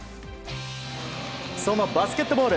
そのバスケットボール。